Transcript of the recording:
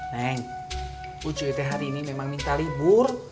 neng ucuy teh hari ini memang minta libur